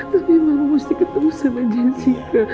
tapi mama mesti ketemu sama jessica